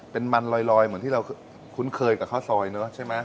เป็นมันลอยเหมือนที่เราคุ้นเคยกับข้าวซอยเนอะใช่ไหม